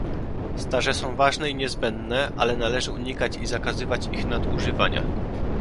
Staże są ważne i niezbędne, ale należy unikać i zakazywać ich nadużywania